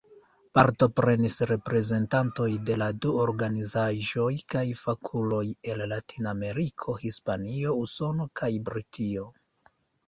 Partoprenis reprezentantoj de la du organizaĵoj kaj fakuloj el Latinameriko, Hispanio, Usono kaj Britio.